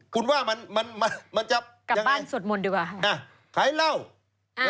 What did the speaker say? คุณว่ามันมันมันจะกลับบ้านสวดมนต์ดีกว่าอ่ะขายเหล้าอ่า